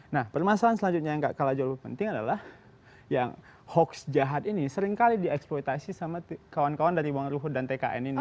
nah permasalahan selanjutnya yang nggak kalah jawab penting adalah yang hoax jahat ini seringkali dieksploitasi sama kawan kawan dari uang ruhud dan tkn ini